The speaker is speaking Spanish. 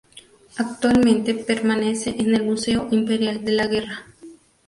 Actualmente permanece en el Museo Imperial de la Guerra.